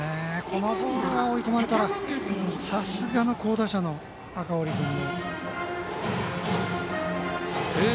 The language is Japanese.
このボールが追い込まれたらさすがの好打者の赤堀君でも。